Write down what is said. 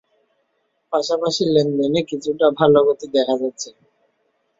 পাশাপাশি লেনদেনে কিছুটা ভালো গতি দেখা যাচ্ছে।